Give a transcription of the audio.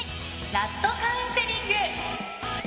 ラストカウンセリング！